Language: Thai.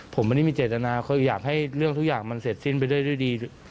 ผมไม่ได้มีเจตนาคืออยากให้เรื่องทุกอย่างมันเสร็จสิ้นไปด้วยดี